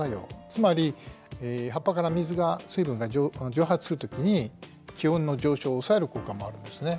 つまり葉っぱから水が水分が蒸発するときに気温の上昇を抑える効果もあるんですね。